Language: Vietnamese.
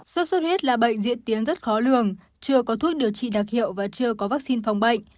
sốt xuất huyết là bệnh diễn tiến rất khó lường chưa có thuốc điều trị đặc hiệu và chưa có vaccine phòng bệnh